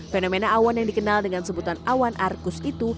fenomena awan yang dikenal dengan sebutan awan arkus itu